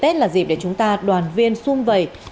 tết là dịp để chúng ta đoàn viên xung vầy